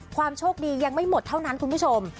ความโชคดียังไม่หมดเท่านั้นคุณผู้ชม